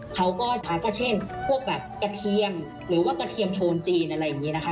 เขาก็ใช้กระเทียมหรือว่ากระเทียมโทนจีนอะไรอย่างนี้นะคะ